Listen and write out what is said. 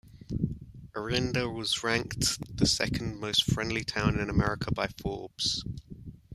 Orinda was ranked the second most friendly town in America by Forbes.